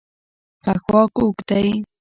پښواک اوږد دی.